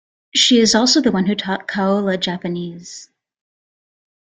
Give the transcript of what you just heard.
She is also the one who taught Kaolla Japanese.